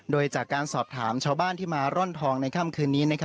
โดยจากการสอบถามชาวบ้านที่มาร่อนทองในค่ำคืนนี้